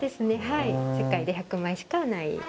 はい世界で１００枚しかない